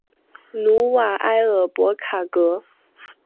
努瓦埃尔博卡格。